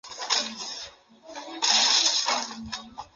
莱奥本附近圣斯特凡是奥地利施蒂利亚州莱奥本县的一个市镇。